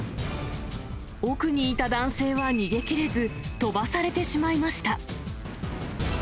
奥にいた男性は逃げきれず、飛ばされてしまいました。